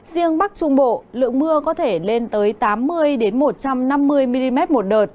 riêng bắc trung bộ lượng mưa có thể lên tới tám mươi một trăm năm mươi mm một đợt